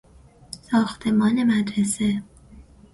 ساختمان مدرسه